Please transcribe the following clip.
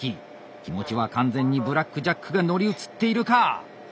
気持ちは完全にブラック・ジャックが乗り移っているか？